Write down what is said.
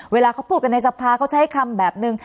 เวลาเขาพูดกันในสภาเขาใช้คำแบบนึง